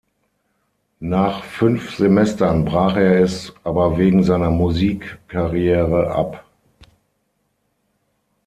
Nach fünf Semestern brach er es aber wegen seiner Musikkarriere ab.